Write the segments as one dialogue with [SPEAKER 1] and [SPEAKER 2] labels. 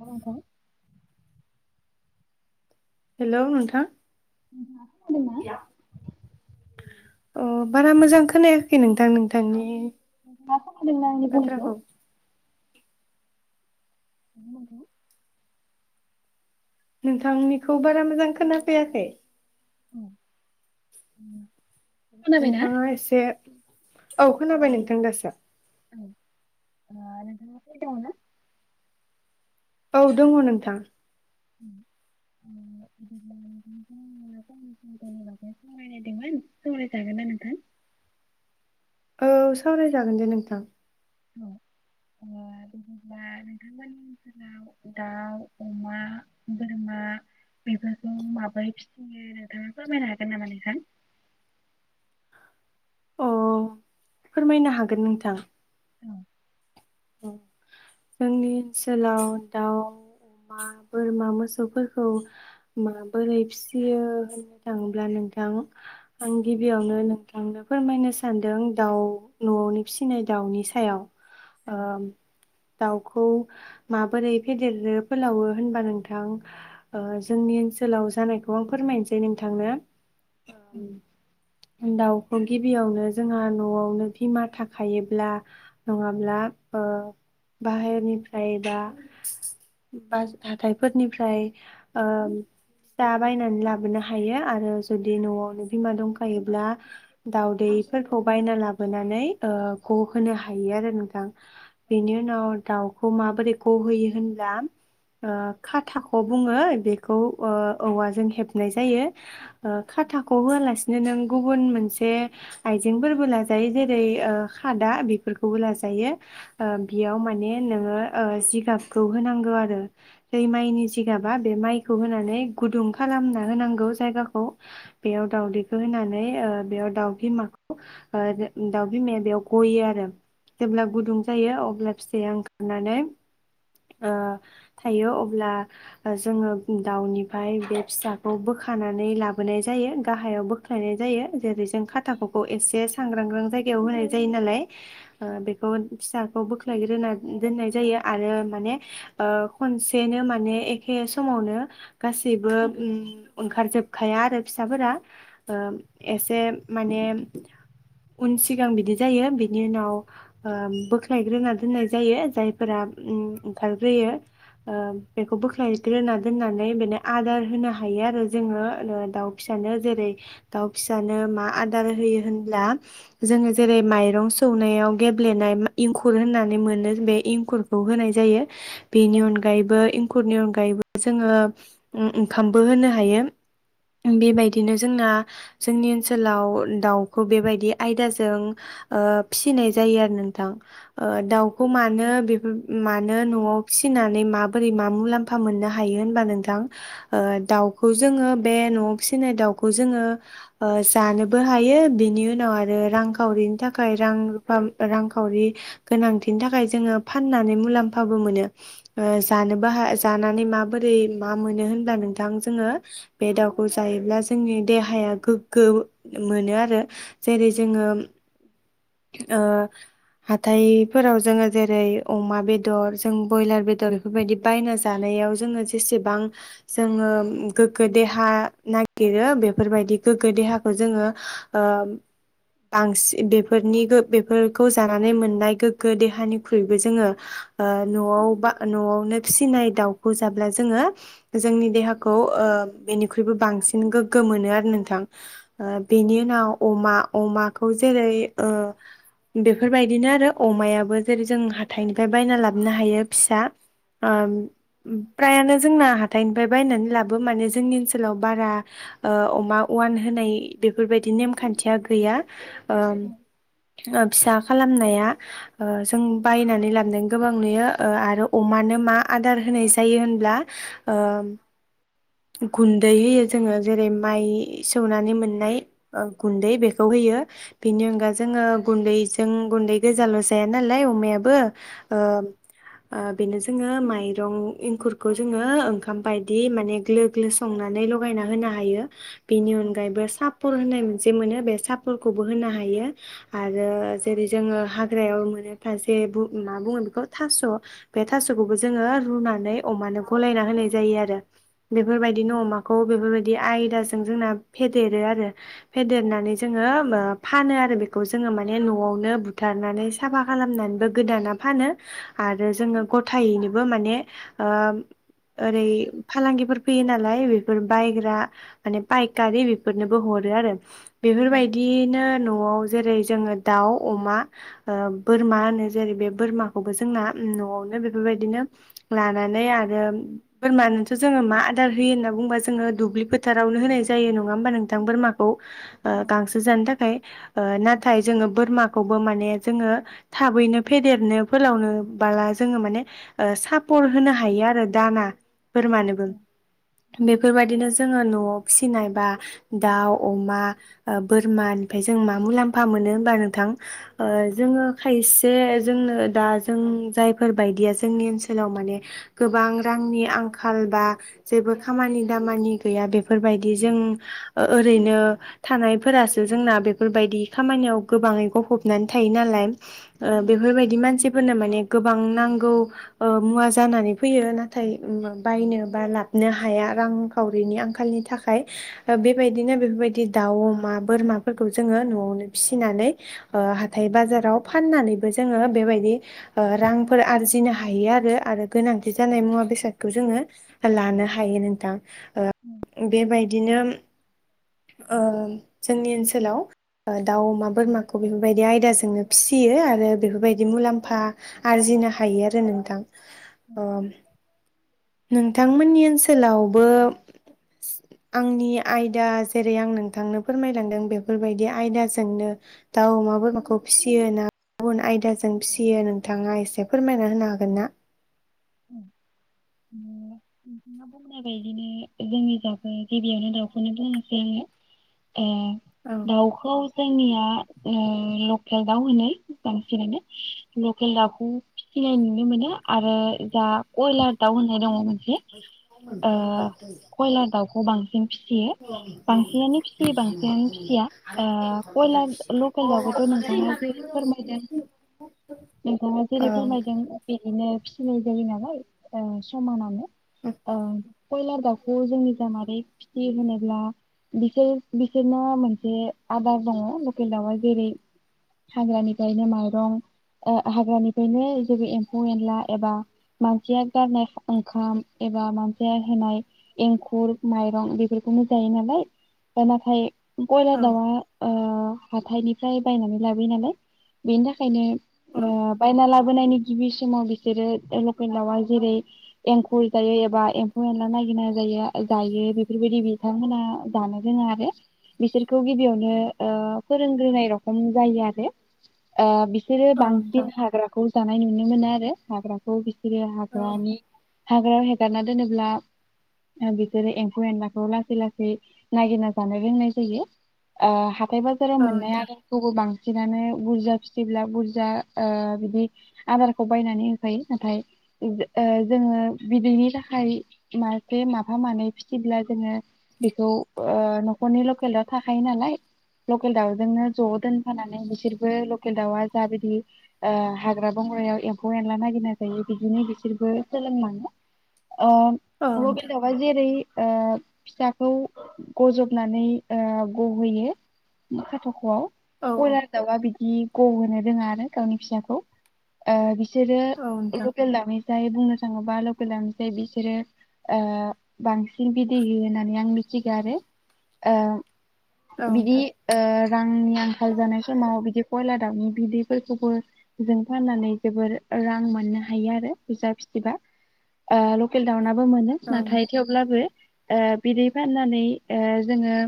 [SPEAKER 1] हेल' नोंथां
[SPEAKER 2] हेल' नोंथां।
[SPEAKER 1] नोंथाङा खोनादों ना?
[SPEAKER 2] अ बारा मोजां खोनायाखै नोंथां नोंथांनि
[SPEAKER 1] नोंथाङा खोनादोंना आंनि
[SPEAKER 2] बाथ्राखौ
[SPEAKER 1] बुंनायखौ? हेल' नोंथां
[SPEAKER 2] नोंथांनिखौ बारा मोजां खोनाफैयाखै।
[SPEAKER 1] औ खोनाबायना?
[SPEAKER 2] नोंथाङा एसे औ खोनाबाय नोंथां दासो।
[SPEAKER 1] औ ओ नोंथाङा फ्रि दङ ना?
[SPEAKER 2] औ दङ नोंथां।
[SPEAKER 1] बिदिब्ला नोंथांजों आङो सावराय जागोन ना नोंथां?
[SPEAKER 2] औ सावरायजागोन दे नोंथां।
[SPEAKER 1] बिदिला नोंथांमोननि ओनसोलाव दाउ अमा बोरमा बेफोरखौ माबोरै फिसियो नोंथाङा फोरमायनो हागोन नामा नोंथां?
[SPEAKER 2] अ फोरमायनो हागोन नोंथां।
[SPEAKER 1] औ
[SPEAKER 2] जोंनि ओनसोलाव दाउ अमा बोरमा मोसौफोरखौ माबोरै फिसियो होननो थाङोब्ला नोंथां आं गिबियावनो नोंथांनो फोरमायनो सानदों दाउ न'आवनो फिसिनाय दाउनि सायाव
[SPEAKER 1] औ
[SPEAKER 2] ओ दाउखौ माबोरै फेदेरो फोलावो होनबा नोंथां ओ जोंनि ओनसोलाव जानायखौ आं फोरमायनोसै नोंथांनो।
[SPEAKER 1] औ
[SPEAKER 2] दाउ गिबियावनो जोंहा न'आवनो बिमा थाखायोब्ला नङाब्ला ओ बाहेरनिफ्राय बा बा हाथायफोरनिफ्राय ओ दा बायनानै लाबोनो हायो आरो जुदि न'आवनो बिमा दंखायोब्ला दाउदैफोरखौ बायना लाबोनानै गहोनो हायो आरो नोंथां।
[SPEAKER 1] औ
[SPEAKER 2] बिदि उनाव दाउ खौ माबोरै गहोयो होनब्ला खाथाखौ बुङो बेखौ औवाजों हेबनाय जायो। ओ खाथाखौ होआलासिनो नों गुबुन मोनसे आइजेंफोरबो लाजायो जेरै ओ खादा बेफोरखौबो लाजायो। ओ बेयाव माने नोङो ओ जिगाबखौ होनांगौ आरो दै माइनि जिगाबा बे माइखौ होनानै गुदुं खालामना होनांगौ जायगाखौ बेयाव दाउदैखौ होनानै ओ बेयाव दाउ बिमाखौ ओ दाउ बिमाया बेयाव गयो आरो जेब्ला
[SPEAKER 1] औ औ
[SPEAKER 2] गुदुं जायो अब्ला फिसाया ओंखारनानै ओ थायो अब्ला जोङो दाउनिफ्राय बे फिसाखौ बोखानानै लाबोनाय जायो गाहायाव बोख्लायनाय जायो जेरै जों खाथाख'खौ एसे सांग्रांग्रां जायगायाव होनाय जायो नालाय। ओ बे फिसाखौ बोख्लायग्रोना दोननाय जायो आरो माने ओ खनसेनो माने एखे समावनो गासैबो ओंखारजोबखाया आरो फिसाफोरा ओ एसे माने उन सिगां बिदि जायो बिनि उनाव ओ बोख्लायग्रोना दोननाय जायो जायफोरा ओंखारग्रोयो ओ बेखौ बोख्लायग्रोना दोननानै बेनो आदार होनो हायो आरो जोङो दाउ फिसानो जेरै दाउ फिसानो मा आदार होयो होनब्ला जोङो
[SPEAKER 1] औ
[SPEAKER 2] जेरै माइरं सौनायाव गेब्लेनाय इंखुर होननानै मोनो बे इंखुरखौ होनाय जायो। बेनि
[SPEAKER 1] औ
[SPEAKER 2] अनगायैबो इं खुरनि अनगायैबो जोङो उम ओंखामबो होनो हायो बेबायदिनो जोंना‌ जोंनि ओनसोलाव दावखौ बेबायदि आयदाजों ओ‌ फिसिनाय जायो आरो नोंथां। ओ दाउखौ मानो बेफोर मानो न'वाव फिसिनानै माबोरै मा मुलाम्फा मोननो हायो होनबा नोंथां ओ दाउखौ जोङो बे न'आव फिसिनाय ओ खौ दाउखौ जोङो ओ जानोबो हायो बेनि उनाव आरो रांखावरिनि थाखाय रां रांखावरि गोनांथिनि थाखाय जोङो फाननानै मुलाम्फाबो मोनो ओ जानोबो हा जानानै माबोरै मा मोनो होनब्ला नोंथां जोङो बे दाउखौ जायोब्ला जोंनि देहाया गोग्गो मोनो आरो। जेरै जोङो ओ हाथायफोराव जोङो जेरै अमा बेदर जों बयलार बेदर बेफोरबायदि बायना जानायाव जोङो जेसेबां जोङो गोग्गो देहा नागिरो बेफोरबायदि गोग्गो देहाखौ जोङो ओ बांसिन बेफोरनि बेफोरखौ जानानै मोननाय गोग्गो देहानिख्रुइबो जोङो ओ न'वाव बा न'आवनो फिसिनाय दाउखौ जाब्ला जोङो जोंनि देहाखौ ओ बेनिख्रुइबो बांसिन गोग्गो मोनो आरो नोंथां। ओ बेनि उनाव अमा अमाखौ जेरै ओ बेफोरबायदिनो आरो अमायाबो जेरै जों हाथाइनिफ्राय बायना लाबोनो हायो फिसा ओम फ्रायानो जोंना हा थायनिफ्राय बायनानै लाबो माने जोंनि ओनसोलाव बारा ओ अमा अवान होनाय बेफोरबायदि नेमखान्थिया गैया। ओम
[SPEAKER 1] औ
[SPEAKER 2] ओ फिसा खालामनाया ओ जों बायनानै लाबनाय गोबां नुयो ओ आरो अमानो मा आदार होनाय जायो होनब्ला ओ गुन्दै होयो जोङो जेरै माइ सौनानै मोननाय गुन्दै बेखौ होयो बेनि अनगा जोङो गुन्दैजों गुन्दै गोजाल' जाया नालाय अमायाबो ओ बेनो जोङो माइरं एंखुरखौ जोङो ओंखाम बायदि माने ग्लो ग्लो संनानै लगायना होनो हायो। बेनि अनगायैबो सापर होनाय जे मोनो बे सापरखौबो होनो हायो। आरो जेरै जोङो हाग्रायाव मोनो खायसे मा बुङो बेखौ थास' बे थास'खौबो जोङो रुनानै अमानो गलायना होनाय जायो आरो बेफोरबायदिनो अमाखौ बेफोरबा यदि आयदाजों जोंना फेदेरो आरो फेदेरनानै जोङो फानो आरो बे खौ जोङो माने न'आवनो बुथारनानै साफा खालामनानैबो गोदाना फानो आरो जोङो गथायैनोबो माने ओ ओरै फालांगिफोर फैयो नालाय बेफोर बायग्रा माने पायकारि बेफोरनोबो हरो आरो।
[SPEAKER 1] औ
[SPEAKER 2] बेफोरबायदियैनो न' [unintelligible] जेरै जोङो दाउ अमा ओ बोरमा ओ होनो जेरै बे बोरमाखौबो जोंना न'वावनो बेफोरबायदिनो लानानै आरो बोरमानोथ' जोङो मा आदार होयो होनना बुङोबा जोङो दुब्लि फोथारावनो होनाय जायो नङा होमबा नोंथां बोरमाखौ गांसो जानो थाखाय। नाथाय जोङो बोरमा खौबो माने जोङो थाबैनो फेदेरनो फोलावनो बाला जोङो माने ओ सापर होनो हायो आरो दाना। बोरमानोबो बेफोरबायदिनो जोङो नवाव फिसिनायबा दाउ अमा बोरमानिफ्राय जों मा मुलाम्फा मोनो होबा नोंथां जोङो खायसे जोंनो दा जों जायफोरबायदिया जोंनि ओनसोलाव माने गोबां रांनि आंखाल बा जेबो खामानि दामानि गैया बेफोरबायदि जों ओरैनो थानायफोरासो जोंना बे बेफोरबायदि खामानियाव गोबाङै गफबनानै थायो नालाय। ओ बेफोरबायदि मानसि फोरनो माने गोबां नांगौ ओ मुवा जानानै फैयो नाथाय बायनो बा लाबनो हाया रांखावरिनि आंखालनि थाखाय बेबायदिनो
[SPEAKER 1] नोंथाङा
[SPEAKER 2] बेफोरबायदि दाउ अमा बोरमाफोरखौ जोङो न'आवनो फिसिनानै ओ हाथाय बाजाराव फाननानैबो जोङो बेबायदि ओ रांफोर आरजिनो हायो आरो आरो गोनांथि जानाय मुवा बेसादखौ जोङो लानो हायो नोंथां। ओ बेबायदिनो ओ जोंनि ओनसोल ओनसोलाव दाउ अमा बोरमाखौ बेफोरबायदि आयदाजोंनो फिसियो आरो बेफोरबायदि मुलाम्फा आरजिनो हायो आरो नोंथां आम नोंथांमोननि ओनसोलावबो आंनि आयदा जेरै आं नोंथांनो फोरमायलांदों बे। बेफोरबायदि आयदाजोंनो दाउ अमा बोरमाखौ फिसियो ना गुबुन आयदाजों फिसियो नोंथाङा एसे फोरमायना होनो हागोन ना?
[SPEAKER 1] ओ नोंथाङा बुंनाय बायदिनो जोंनिजाबो गिबियावनो दाउखौनो बुंनोसै आङो। ए
[SPEAKER 2] औ
[SPEAKER 1] दाउखौ जोंनिया ओ लकेल दाउ होनो बांसिनानो लकेल दाउखौ फिसिनाय नुनो मोनो आरो ओ खयलार दाउ होननाय दङ। कयलार दाउखौ बांसिन फिसियो बांसिनानो फिसियो बांसिनानो फिसिया ओ कयलार लकेल दाउखौथ' नोंथाङा जेरै फोरमायदों नोंथाङा जेरै
[SPEAKER 2] औ
[SPEAKER 1] फोरमायदों बेदिनो उम जायो नालाय ओं समानानो ओं कयलार दाउ दाउखौ जोंनि ज मारै फिसि होनोब्ला बिसोर बिसोरनो मोनसे आदार दङ लकेल दाउआ जेरै हाग्रानिफ्रायनो माइरं ओ हाग्रानिफ्रायनो जेरै एम्फौ एनला एबा मानसिया गारनाय ओंखाम एबा मानसिया होनाय एंखुर माइरं बेफोरखौनो जायो नालाय दा नाथाय खयलार
[SPEAKER 2] औ
[SPEAKER 1] दावा‌ओ हाथायनिफ्राय बायनानै लाबोयो नालाय बेनि थाखायनो
[SPEAKER 2] औ
[SPEAKER 1] ओ बायना लाबोनाय नि गिबि समाव बिसोरो लकेल दावा जेरै एंखुर जायो एबा एम्फौ एनला नायागिरना जायो जायो बेफोरबायदि बिथांमोना जानो रोङा आरो बिसोरखौ गिबियावनो फोरोंग्रोनाय रखम जायो आरो। बिसोरो
[SPEAKER 2] औ नोंथां
[SPEAKER 1] बांसिन हाग्राखौ जानाय। नुनो मोनो आरो हाग्राखौ
[SPEAKER 2] औ औ
[SPEAKER 1] हाग्राानि हाग्रा दानना दोनोब्ला ओ बिसोरौ एम्फौ एनलाखौ लासै लासै नागिरना जानो रोंनाय जायो ओ हा। हाथाय बाजाराव
[SPEAKER 2] औ
[SPEAKER 1] मोननाय
[SPEAKER 2] नोंथां
[SPEAKER 1] आदारखौबो बां फिनानै बुरजा फिथिब्ला बुरजा ओ बिदि आदारखौ बायनानै होखायो नाथाय। ओ जोङो बिदैनि थाखाय मासे माफा मानै फिसिब्ला जोङो बेखौ ओ न'खरनि लकेल दाउ थाखायो नालाय लकेल दाउजोंनो ज' दोनफानानै बिसोरबो लकेल दाउआ जाबायदि हाग्रा बंग्रायाव एम्फौ एनला नागिरना जायो। बिदिनो बिसोरबो सोलोंलाङो
[SPEAKER 2] औ
[SPEAKER 1] ओ लकेल
[SPEAKER 2] नोंथां
[SPEAKER 1] दावा जेरै ओ फिसाखौ गजबनानै ओ गहोयो खाथाख'आव
[SPEAKER 2] औ
[SPEAKER 1] कयलार‌ दावा बि बि ग'होनो रोङा आरो गावनि फिसाखौ बेसोरो
[SPEAKER 2] औ नोंथां
[SPEAKER 1] बुंनो थाङोबा [unintelligible] ओ बिसोरो बांसिन बिदै होयो होननानै आं मिथिगो आरो
[SPEAKER 2] औ
[SPEAKER 1] ओ बिदि
[SPEAKER 2] नोंथां
[SPEAKER 1] ओ रांनि आंखाल जानाय समाव बिदि कयलार दाउनि बिदैफोरखौबो जों फाननानै जोबोर रां मोननो हायो आरो बुजा फिसिबा ओ लकेल दाउनाबबो मोनो
[SPEAKER 2] औ
[SPEAKER 1] नाथाय थेवब्लाबो ओ बिदै फाननानै ओ जोङो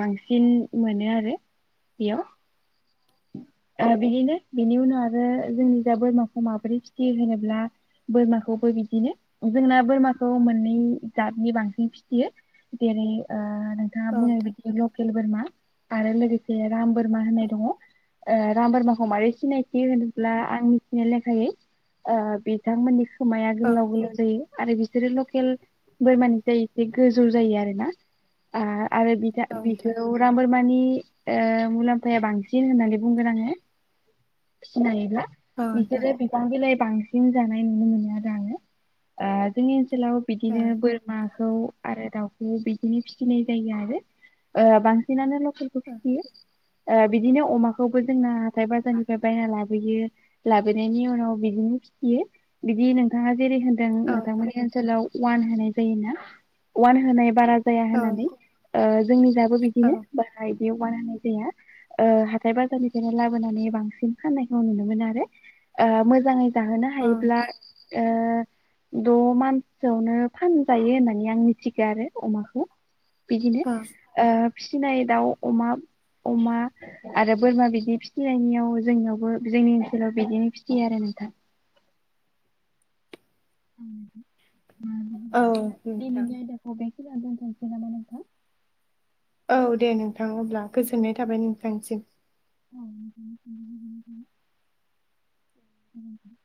[SPEAKER 1] बांसिन मोनो आरो बेयाव ओ बिदिनो बेनि उनाव आरो जोंनि जा बोरमाखौ माबोरै फिथियो होनोब्ला बोरमाखौबो बिदिनो जोंना बोरमाखौ मोननै जाबनि बांसिन फिथियो जेरै ओ नोंथाङा बुंनाय बादि लकेल बोरमा आरो लोगोसे राम बोरमा होननाय दङ राम बोरमाखौ मारै फिसिनाय जायो होनोब्ला आं मिथिनाय लेखायै बिथांमोननि खोमाया गोलाव गोलाव जायो आरो बि बेसोरो लकेल [unintelligible] गोजौ जायो आरो ना आ आरो बिजा
[SPEAKER 2] नोंथां
[SPEAKER 1] बिखौ राम बोरमा नि ओ मुलाम्फाया बांसिन बिदि होननानै बुंगोन आङो सिनायोब्ला
[SPEAKER 2] औ
[SPEAKER 1] बिसोरो बिफां बिलाइ बांसिन जानाय नुनो मोनो आरो आङो जोंनि हेलौ बिदिनो बोरमा खौ आरो दाउखौ बिदिनो फिसिनाय जायो आरो बांसिनानो लक केल फोरखौ फिसियो [unintelligible] बिदिनो अमाखौबो जोंना हाथाय बाजारनिफ्राय बायना लाबोयो लाबोनायनि उनाव बिदिनो फिसियो बिदि नोंथाङा जेरै होनदों
[SPEAKER 2] नोंथां औ नोंथां
[SPEAKER 1] नोंथांमोननि ओनसोलाव अवान होनाय जायो ना अवान होनाय बारा जाया
[SPEAKER 2] औ नोंथां औ
[SPEAKER 1] होननानै जोंनि दाबो
[SPEAKER 2] औ
[SPEAKER 1] बिदिनो बाहाय दैयाव बानायनाय जाया। ओ हाथाय बाजारनिफ्रायनो लाबोनानै बांसिन फाननायखौ नुनो मोनो आरो ओ मोजाङै जाहोनो
[SPEAKER 2] औ
[SPEAKER 1] हायोब्ला
[SPEAKER 2] नोंथां
[SPEAKER 1] ओ द' मानसोआवनो फानजायो होननानै आं मिथिगो आरो अमाखो। बिदिनो ओ फिसिनाय दाउ अमा अमा आरो बोरमा बिदि फिसिनायनियाव जोंनियावबो जोंनि ओनसोलाव बिदिनो फिसियो आरो नोंथां। [inaudible]
[SPEAKER 2] औ नोंथां।
[SPEAKER 1] दिनैनि [unintelligible]
[SPEAKER 2] औ दे नोंथां अब्ला गोजोननाय थाबाय नोंथांनिसिम।
[SPEAKER 1] अ नोंथांनिसिमबो गोजोननाय थाबाय।